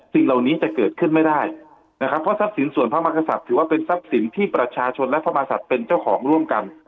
สิ่งเหล่านี้จะเกิดขึ้นไม่ได้นะครับเพราะทรัพย์สินส่วนพระมกษัตริย์ถือว่าเป็นทรัพย์สินที่ประชาชนและพระมศัตริย์เป็นเจ้าของร่วมกัน